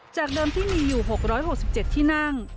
จากเดิมที่มีอยู่๖๖๗ที่นั่ง